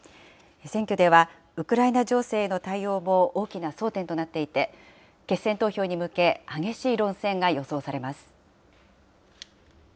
選挙では、ウクライナ情勢の対応も大きな争点となっていて、決選投票に向け、激しい論戦が予想されます。